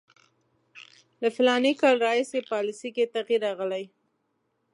له فلاني کال راهیسې پالیسي کې تغییر راغلی.